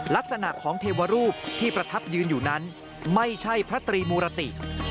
ลักษณะของเทวรูปที่ประทับยืนอยู่นั้นไม่ใช่พระตรีมูรติ